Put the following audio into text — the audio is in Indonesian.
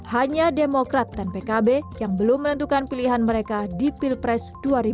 hanya demokrat dan pkb yang belum menentukan pilihan mereka di pilpres dua ribu dua puluh